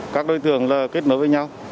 các đối tượng là kết nối với nhau